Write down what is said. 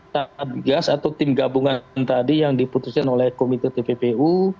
tagas atau tim gabungan tadi yang diputuskan oleh komite tppu